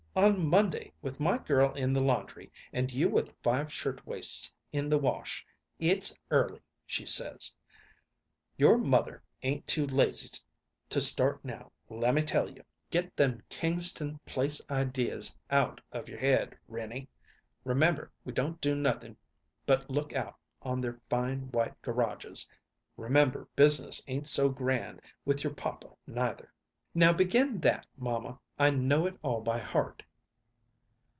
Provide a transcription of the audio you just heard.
On Monday, with my girl in the laundry and you with five shirtwaists in the wash, it's early, she says! Your mother ain't too lazy to start now, lemme tell you. Get them Kingston Place ideas out of your head, Renie. Remember we don't do nothing but look out on their fine white garages; remember business ain't so grand with your papa, neither." "Now begin that, mamma! I know it all by heart."